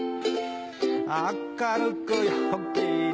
明るく陽気に